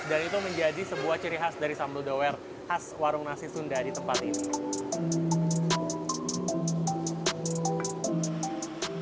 jadi saya akan mencoba sambal the web khas warung nasi sunda di tempat ini